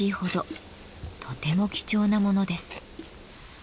とても貴重なものです。